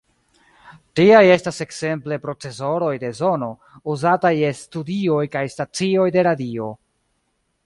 Tiaj estas ekzemple procesoroj de sono, uzataj je studioj kaj stacioj de radio.